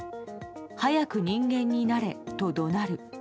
早く人間になれと怒鳴る。